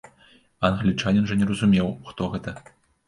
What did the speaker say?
А англічанін жа не разумеў, хто гэта.